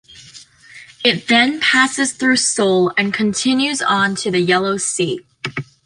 It then passes through Seoul and continues on to the Yellow Sea.